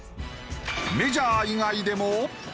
メジャー以外でも。